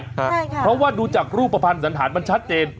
ใช่ค่ะเพราะว่าดูจากรูปภัณฑ์สันธารมันชัดเจน